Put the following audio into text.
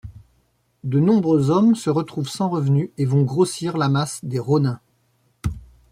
De nombreux hommes se retrouvent sans revenus et vont grossir la masse des rōnin.